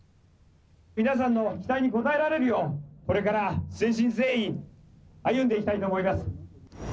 皆さんの期待に応えられるよう、これから誠心誠意歩んでいきたいと思います。